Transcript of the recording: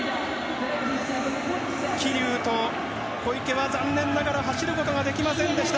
桐生と小池は残念ながら走ることはできませんでした。